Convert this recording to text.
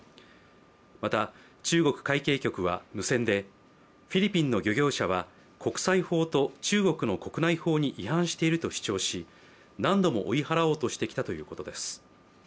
また中国海警局は無線でフィリピンの漁業者は、国際法と中国の国内法に違反していると主張し何度も追い払おうとしてきたということです。